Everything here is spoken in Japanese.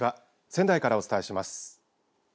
仙台からお伝えします。